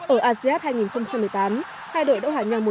ở asean hai nghìn một mươi tám hai đội đấu hạ nhà một một